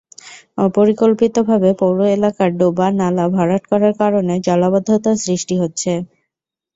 অপরিকল্পিতভাবে পৌর এলাকার ডোবা, নালা ভরাট করার কারণে জলাবদ্ধতা সৃষ্টি হচ্ছে।